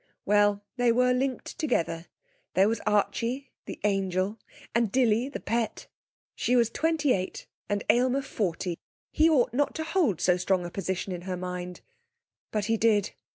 Well, they were linked together. There were Archie, the angel, and Dilly, the pet.... She was twenty eight and Aylmer forty. He ought not to hold so strong a position in her mind. But he did.